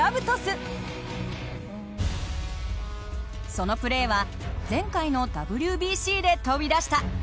そのプレーは前回のＷＢＣで飛び出した。